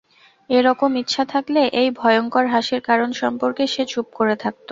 এ-রকম ইচ্ছা থাকলে, এই ভয়ংকর হাসির কারণ সম্পর্কে সে চুপ করে থাকত।